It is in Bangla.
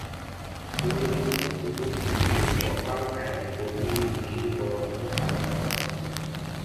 ক্লোরিনের উপস্থিতিতে কপার আয়ন গভীর নীল বর্ণ ধারণ করে।